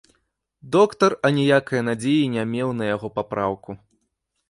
Доктар аніякае надзеі не меў на яго папраўку.